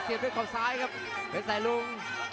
เสียบด้วยขอบซ้ายครับก็ใส่ลูก